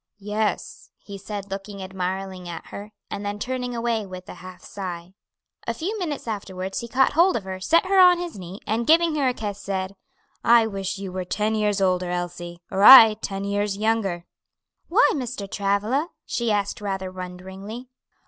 "Yes," he said, looking admiringly at her, and then turning away with a half sigh. A few minutes afterwards he caught hold of her, set her on his knee, and giving her a kiss, said, "I wish you were ten years older, Elsie, or I ten years younger." "Why, Mr. Travilla?" she asked rather wonderingly.